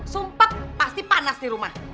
sumpah pasti panas di rumah